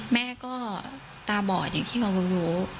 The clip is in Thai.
แม่ก็ตาบอดอย่างที่เรารู้